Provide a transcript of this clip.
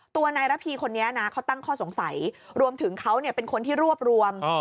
ตัวนายระพีคนนี้นะเขาตั้งข้อสงสัยรวมถึงเขาเป็นคนที่รวบรวม